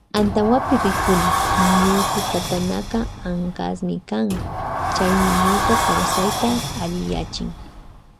Antawapi rikuni ñutukatanaka ankasmi kan chaymi ñuka kawsayta alliyachin.